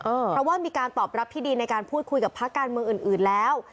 เพราะว่ามีการตอบรับที่ดีในการพูดคุยกับภาคการเมืองอื่นแล้ว